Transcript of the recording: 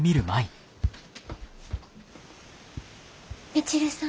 美知留さん。